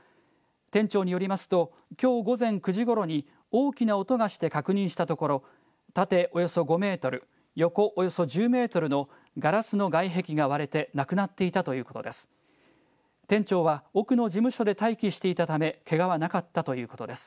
店長によりますと、きょう午前９時ごろに、大きな音がして確認したところ、縦およそ５メートル、横およそ１０メートルのガラスの外壁が割れてなくなっていたということです。